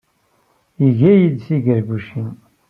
Iga-iyi-d tigargucin.